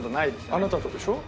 あなたとでしょ？